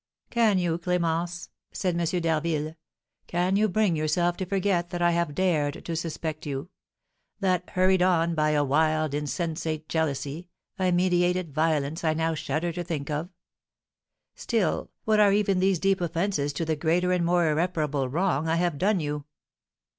"Can you, Clémence," said M. d'Harville, "can you bring yourself to forget that I have dared to suspect you; that, hurried on by a wild, insensate jealousy, I meditated violence I now shudder to think of? Still, what are even these deep offences to the greater and more irreparable wrong I have done you?"